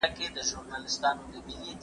که تعلیمي ویډیو وي نو هیله نه ختمیږي.